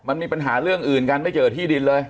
มันมีปัญหาเรื่องอื่นกันไม่เจอที่ดินเลย